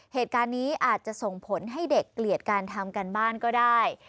เหตุการณ์นี้อาจจะส่งผลให้เด็กเกลียดการทำการบ้านก็ได้